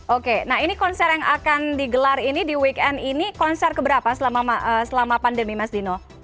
oke nah ini konser yang akan digelar ini di weekend ini konser keberapa selama pandemi mas dino